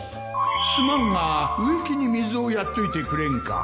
すまんが植木に水をやっといてくれんか？